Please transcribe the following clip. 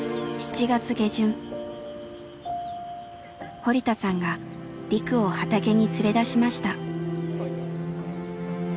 堀田さんがリクを畑に連れ出しました。